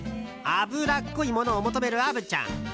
脂っこいものを求める虻ちゃん。